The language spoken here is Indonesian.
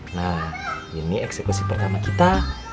nah ini eksekusi pertama kita